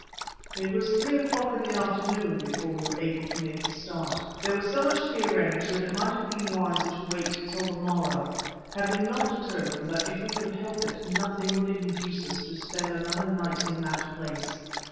It was three o'clock in the afternoon before we were able to make a start. There was so much to be arranged that it might have been wiser to wait till the morrow, had we not determined that if we could help it nothing would induce us to spend another night in that place.